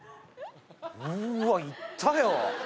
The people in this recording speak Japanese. うわいったよ